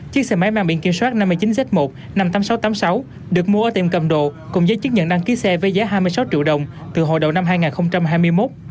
chiếc xe máy mang biển kiểm soát năm mươi chín z một năm mươi tám nghìn sáu trăm tám mươi sáu được mua ở tiệm cầm đồ cùng giấy chứng nhận đăng ký xe với giá hai mươi sáu triệu đồng từ hồi đầu năm hai nghìn hai mươi một